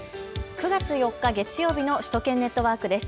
９月４日月曜日の首都圏ネットワークです。